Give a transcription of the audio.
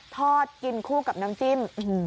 ทอดกินคู่กับน้ำจิ้ม